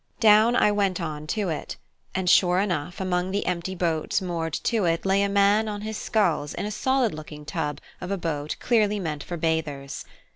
Down I went on to it, and sure enough among the empty boats moored to it lay a man on his sculls in a solid looking tub of a boat clearly meant for bathers.